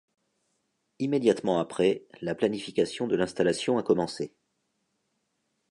Immédiatement après, la planification de l'installation a commencé.